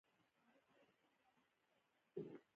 ګیدړ پټه لاره غوره کوي.